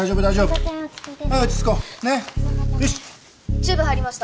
チューブ入りました。